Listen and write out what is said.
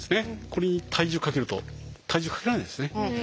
これに体重かけると体重かけられないですね。